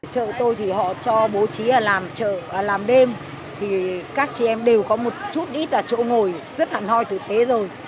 chợ tôi thì họ cho bố trí làm đêm thì các chị em đều có một chút ít là chỗ ngồi rất hẳn hoi thực tế rồi